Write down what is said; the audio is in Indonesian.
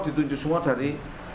ditunjuk semua dari